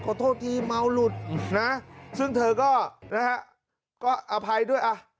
โทษทีเมาหลุดนะซึ่งเธอก็นะฮะก็อภัยด้วยอ่ะ